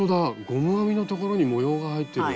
ゴム編みのところに模様が入ってる。